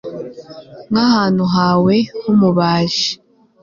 nk'ahantu hawe h'ubumaji